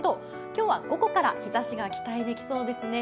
今日は午後から日ざしが期待できそうですね。